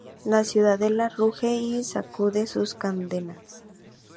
La ciudadela ruge y sacude sus cadenas.